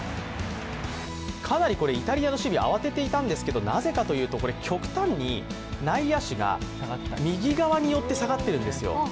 かなりこれ、イタリアの守備慌てていたんですけど、なぜかというと、極端に内野手が右側に寄って下がってるんですよ。